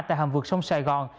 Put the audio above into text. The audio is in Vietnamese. tại hầm vượt sông sài gòn